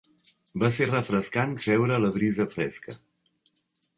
Va ser refrescant seure a la brisa fresca.